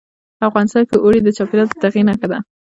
افغانستان کې اوړي د چاپېریال د تغیر نښه ده.